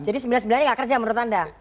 jadi sembilan sembilannya gak kerja menurut anda